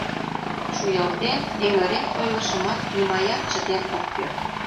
Шуялтен, эҥырен ойлышымат нимаят чытен ок керт.